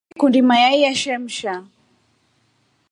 Ngikundi mayai yeshemsha.